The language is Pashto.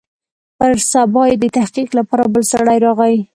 پر سبا يې د تحقيق لپاره بل سړى راغى.